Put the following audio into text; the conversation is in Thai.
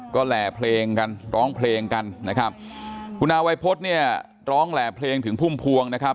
ก็แหล่เพลงกันร้องเพลงกันคุณอาวัยพศร้องแหล่เพลงถึงภูมิภวง